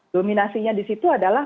dominasinya disitu adalah